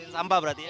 sampah berarti ya